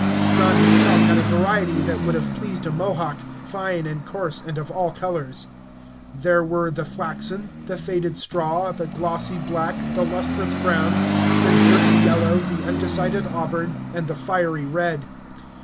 John himself had a variety that would have pleased a Mohawk, fine and coarse and of all colors. There were the flaxen, the faded straw, the glossy black, the lustrous brown, the dirty yellow, the undecided auburn, and the fiery red.